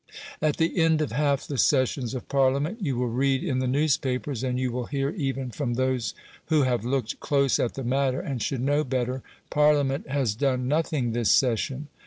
At the end of half the sessions of Parliament, you will read in the newspapers, and you will hear even from those who have looked close at the matter and should know better, "Parliament has done nothing this session.